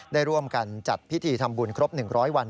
ได้ร่วมกันจัดพิธีทำบุญครบ๑๐๐วัน